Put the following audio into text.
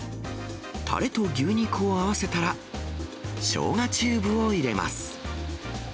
たれと牛肉を合わせたら、しょうがチューブを入れます。